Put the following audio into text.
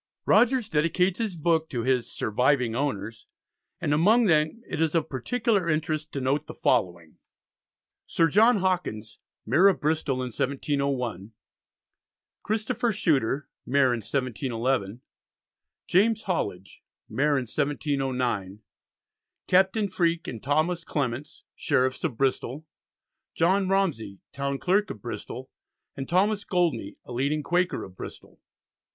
Rogers dedicates his book to his "surviving owners," and among them it is of particular interest to note the following: Sir John Hawkins, Mayor of Bristol in 1701; Christopher Shuter, Mayor in 1711; James Hollidge, Mayor in 1709; Captain Freake and Thomas Clements, Sheriffs of Bristol; John Romsey, Town Clerk of Bristol, and Thomas Goldney, a leading Quaker of Bristol.